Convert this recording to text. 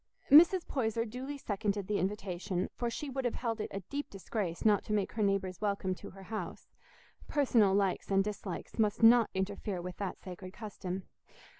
Mrs. Poyser duly seconded the invitation, for she would have held it a deep disgrace not to make her neighbours welcome to her house: personal likes and dislikes must not interfere with that sacred custom.